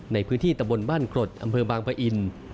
ในพื้นที่ตะบนบ้านกรดอำเภอบางปะอิน